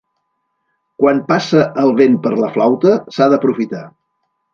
Quan passa el vent per la flauta, s'ha d'aprofitar.